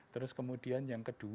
terus kemudian yang kedua